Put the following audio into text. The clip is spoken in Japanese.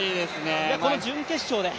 この準決勝で。